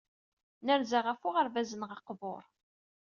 Nerza ɣef uɣerbaz-nneɣ aqbur.